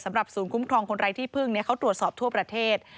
ศูนย์คุ้มครองคนไร้ที่พึ่งเขาตรวจสอบทั่วประเทศ